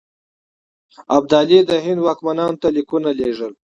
ابدالي د هند واکمنانو ته لیکونه لېږلي.